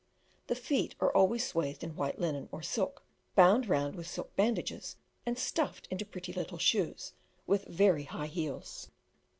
The feet are always swathed in white linen or silk, bound round with silk bandages and stuffed into pretty little shoes, with very high heels.